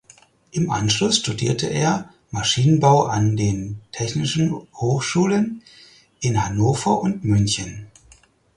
Im Anschluss studierte er Maschinenbau an den Technischen Hochschulen in Hannover und München.